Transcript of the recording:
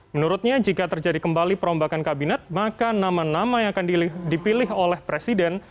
menurutnya jika terjadi kembali perombakan kabinet maka nama nama yang akan dipilih oleh presiden